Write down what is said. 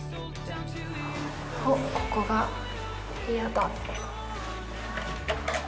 おっ、ここが部屋だ。